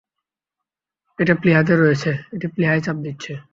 এটা প্লীহাতে রয়েছে, এটা প্লীহায় চাপ দিচ্ছে।